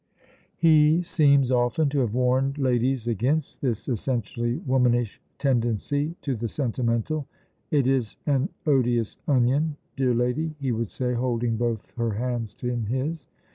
He seems often to have warned ladies against this essentially womanish tendency to the sentimental. "It is an odious onion, dear lady," he would say, holding both her hands in his.